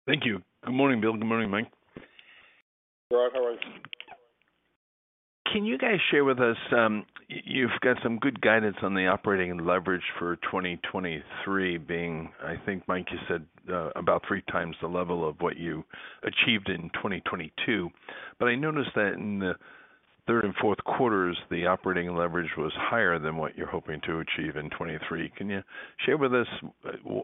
Thank you. Good morning, Will. Good morning, Mike. Gerard, how are you? Can you guys share with us, you've got some good guidance on the operating leverage for 2023 being, I think, Mike, you said, about 3 times the level of what you achieved in 2022? I noticed that in the third and Q4s, the operating leverage was higher than what you're hoping to achieve in 2023. Can you share with us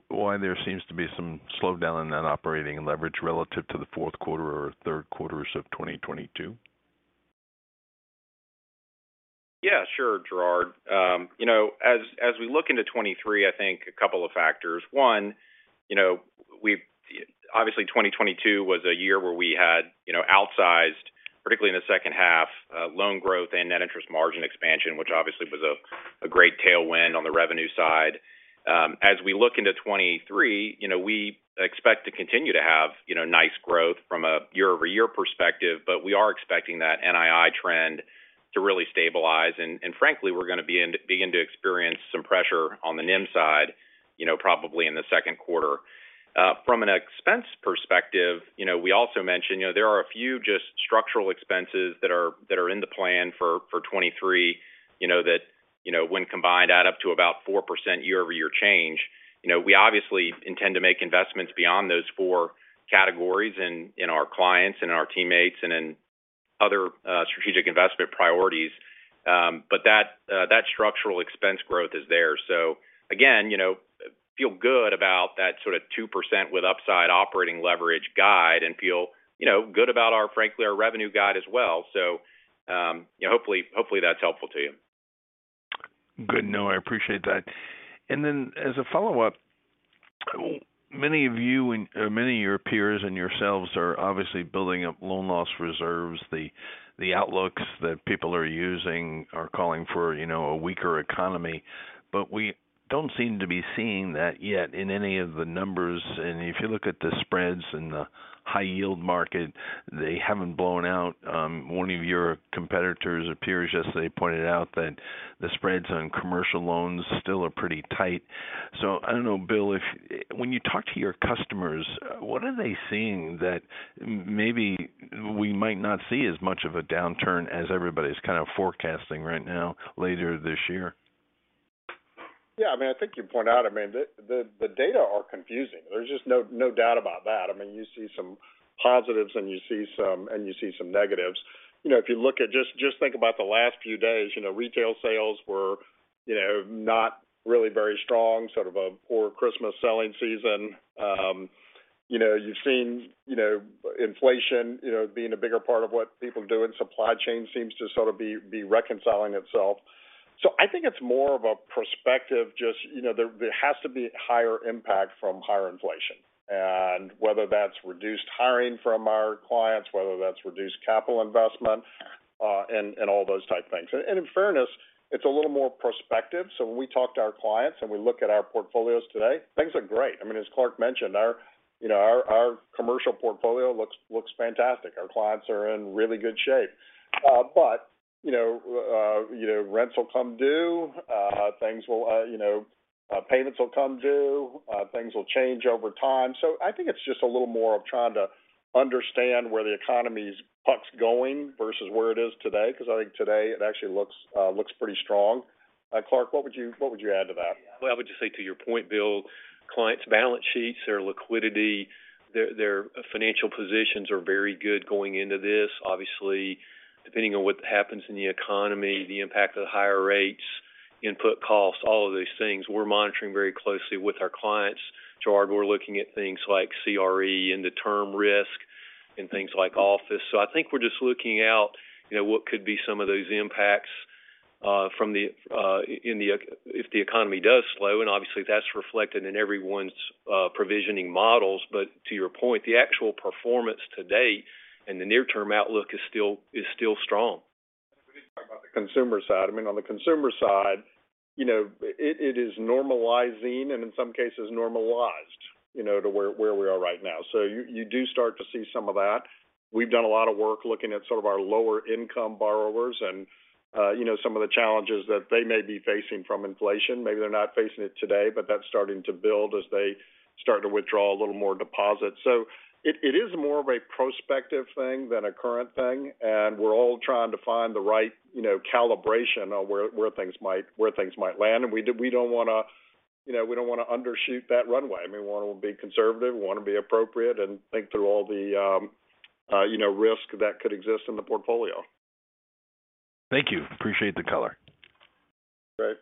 why there seems to be some slowdown in that operating leverage relative to the Q4 or Q3s of 2022? Yeah, sure, Gerard. You know, as we look into 2023, I think a couple of factors. One, you know, obviously, 2022 was a year where we had, you know, outsized, particularly in the H2, loan growth and net interest margin expansion, which obviously was a great tailwind on the revenue side. As we look into 2023, you know, we expect to continue to have, you know, nice growth from a year-over-year perspective, we are expecting that NII trend to really stabilize. Frankly, we're going to begin to experience some pressure on the NIM side, you know, probably in the Q2. From an expense perspective, you know, we also mentioned, you know, there are a few just structural expenses that are in the plan for 2023, you know, that, you know, when combined add up to about 4% year-over-year change. You know, we obviously intend to make investments beyond those four categories in our clients and our teammates and in. Other strategic investment priorities. That structural expense growth is there. Again, you know, feel good about that sort of 2% with upside operating leverage guide and feel, you know, good about frankly, our revenue guide as well. You know, hopefully that's helpful to you. Good. No, I appreciate that. As a follow-up, many of you and, or many of your peers and yourselves are obviously building up loan loss reserves. The outlooks that people are using are calling for, you know, a weaker economy. We don't seem to be seeing that yet in any of the numbers. If you look at the spreads in the high yield market, they haven't blown out. One of your competitors or peers yesterday pointed out that the spreads on commercial loans still are pretty tight. I don't know, Will, when you talk to your customers, what are they seeing that maybe we might not see as much of a downturn as everybody's kind of forecasting right now later this year? Yeah, I mean, I think you point out, I mean, the, the data are confusing. There's just no doubt about that. I mean, you see some positives, and you see some negatives. You know, if you look at just think about the last few days, you know, retail sales were, you know, not really very strong, sort of a poor Christmas selling season. You know, you've seen, you know, inflation, you know, being a bigger part of what people are doing. Supply chain seems to sort of be reconciling itself. I think it's more of a perspective, just, you know, there has to be higher impact from higher inflation, and whether that's reduced hiring from our clients, whether that's reduced capital investment, and all those type things. In fairness, it's a little more prospective. When we talk to our clients and we look at our portfolios today, things look great. I mean, as Clark mentioned, our, you know, our commercial portfolio looks fantastic. Our clients are in really good shape. You know, you know, rents will come due, things will, you know, payments will come due, things will change over time. I think it's just a little more of trying to understand where the economy's puck's going versus where it is today, because I think today it actually looks pretty strong. Clark, what would you add to that? I would just say to your point, Will, clients' balance sheets, their liquidity, their financial positions are very good going into this. Obviously, depending on what happens in the economy, the impact of the higher rates, input costs, all of these things we're monitoring very closely with our clients. George, we're looking at things like CRE and the term risk and things like office. I think we're just looking out, you know, what could be some of those impacts from the if the economy does slow, and obviously that's reflected in everyone's provisioning models. To your point, the actual performance to date and the near-term outlook is still strong. We didn't talk about the consumer side. I mean, on the consumer side, you know, it is normalizing and in some cases normalized, you know, to where we are right now. You do start to see some of that. We've done a lot of work looking at sort of our lower income borrowers and, you know, some of the challenges that they may be facing from inflation. Maybe they're not facing it today, but that's starting to build as they start to withdraw a little more deposits. It is more of a prospective thing than a current thing, and we're all trying to find the right, you know, calibration on where things might land. We don't wanna, you know, we don't wanna undershoot that runway. I mean, we wanna be conservative, we wanna be appropriate and think through all the, you know, risk that could exist in the portfolio. Thank you. Appreciate the color. Right.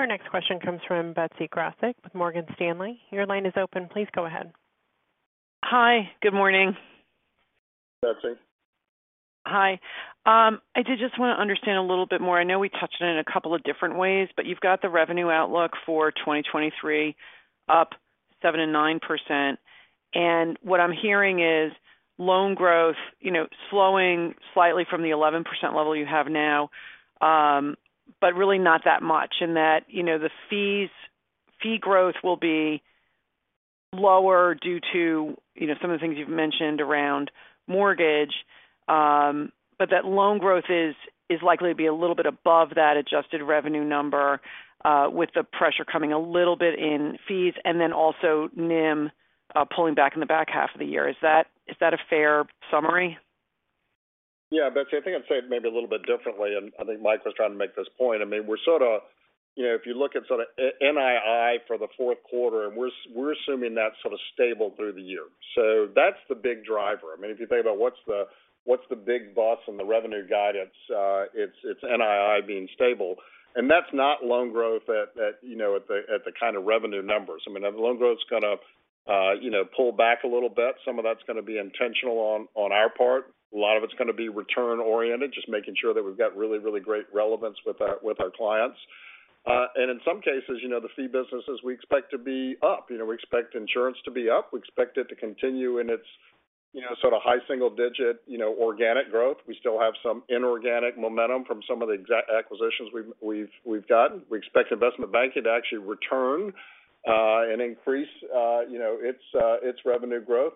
Our next question comes from Betsy Graseck with Morgan Stanley. Your line is open. Please go ahead. Hi. Good morning. Betsy. Hi. I did just want to understand a little bit more. I know we touched on it in a couple of different ways, but you've got the revenue outlook for 2023 up 7% and 9%. What I'm hearing is loan growth, you know, slowing slightly from the 11% level you have now, but really not that much in that, you know, fee growth will be lower due to, you know, some of the things you've mentioned around mortgage. That loan growth is likely to be a little bit above that adjusted revenue number, with the pressure coming a little bit in fees and then also NIM pulling back in the back half of the year. Is that a fair summary? Yeah. Betsy, I think I'd say it maybe a little bit differently, and I think Mike was trying to make this point. I mean, we're sort of, you know, if you look at sort of NII for the Q4, and we're assuming that's sort of stable through the year. That's the big driver. I mean, if you think about what's the, what's the big boss in the revenue guidance, it's NII being stable. That's not loan growth at, you know, at the, at the kind of revenue numbers. I mean, the loan growth's gonna, you know, pull back a little bit. Some of that's gonna be intentional on our part. A lot of it's gonna be return-oriented, just making sure that we've got really, really great relevance with our, with our clients. In some cases, you know, the fee businesses we expect to be up. You know, we expect insurance to be up. We expect it to continue in its, you know, sort of high single digit, you know, organic growth. We still have some inorganic momentum from some of the acquisitions we've gotten. We expect investment banking to actually return and increase, you know, its revenue growth.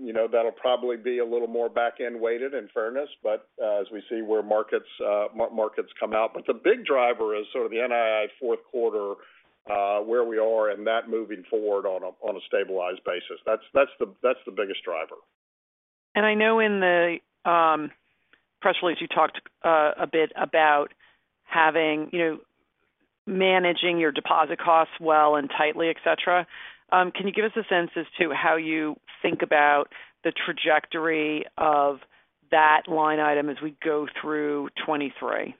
You know, that'll probably be a little more back-end weighted in fairness, but as we see where markets come out. The big driver is sort of the NII Q4, where we are and that moving forward on a stabilized basis. That's the biggest driver. I know in the press release you talked a bit about having Managing your deposit costs well and tightly, et cetera. Can you give us a sense as to how you think about the trajectory of that line item as we go through 23?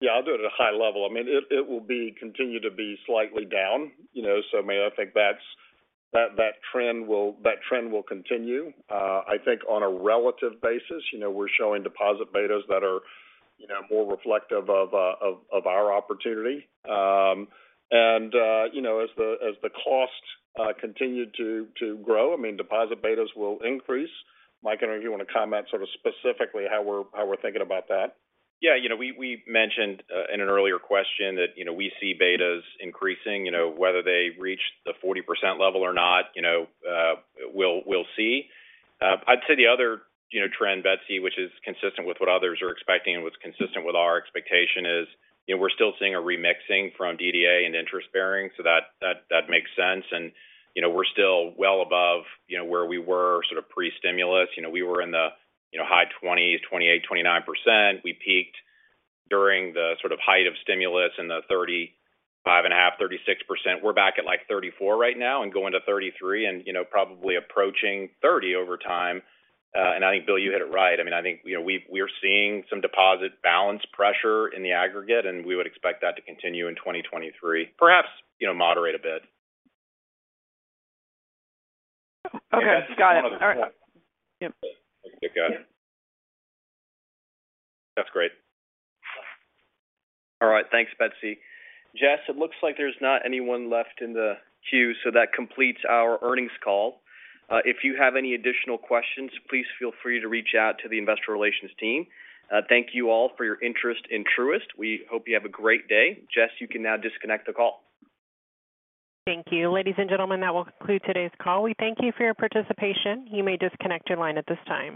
Yeah, I'll do it at a high level. I mean, it will continue to be slightly down, you know. I mean, I think that trend will continue. I think on a relative basis, you know, we're showing deposit betas that are, you know, more reflective of our opportunity. You know, as the costs continue to grow, I mean, deposit betas will increase. Mike, I don't know if you want to comment sort of specifically how we're thinking about that. Yeah, you know, we mentioned in an earlier question that, you know, we see betas increasing. You know, whether they reach the 40% level or not, you know, we'll see. I'd say the other, you know, trend, Betsy, which is consistent with what others are expecting and what's consistent with our expectation is, you know, we're still seeing a remixing from DDA and interest-bearing, so that makes sense. You know, we're still well above, you know, where we were sort of pre-stimulus. You know, we were in the, you know, high 20s, 28, 29%. We peaked during the sort of height of stimulus in the 35.5%, 36%. We're back at, like, 34 right now and going to 33 and, you know, probably approaching 30 over time. I think, Will, you hit it right. I mean, I think, you know, we're seeing some deposit balance pressure in the aggregate. We would expect that to continue in 2023. Perhaps, you know, moderate a bit. Okay. Got it. All right. Yep. Take it out. That's great. All right. Thanks, Betsy. Jess, it looks like there's not anyone left in the queue, that completes our earnings call. If you have any additional questions, please feel free to reach out to the investor relations team. Thank you all for your interest in Truist. We hope you have a great day. Jess, you can now disconnect the call. Thank you. Ladies and gentlemen, that will conclude today's call. We thank you for your participation. You may disconnect your line at this time.